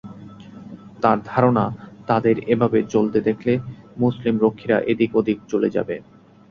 তার ধারণা, তাদের এভাবে চলে যেতে দেখলে মুসলিম রক্ষীরা এদিক-ওদিক চলে যাবে।